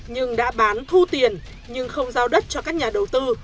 nhưng đã bán thu tiền nhưng không giao đất cho các nhà đầu tư